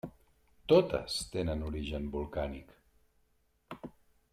Totes tenen origen volcànic.